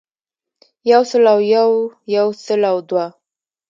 يو سل او يو يو سل او دوه